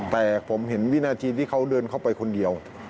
แต่ผมเห็นวินาทีที่เขาเดินเข้าไปคนเดียว